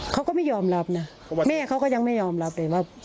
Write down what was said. เขาก็ไม่ยอมรับนะแม่เขาก็ยังไม่ยอมรับเลยว่า